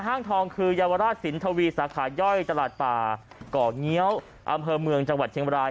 ทองคือเยาวราชสินทวีสาขาย่อยตลาดป่าก่อเงี้ยวอำเภอเมืองจังหวัดเชียงบราย